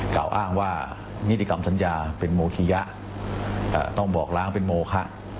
กล่าวอ้างว่านิติกรรมสัญญาเป็นโมคิยะต้องบอกล้างเป็นโมคะ